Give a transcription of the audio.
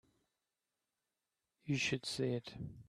You should see it.